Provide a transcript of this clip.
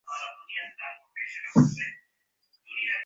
তিনি রায়বাহাদুর খেতাব পান।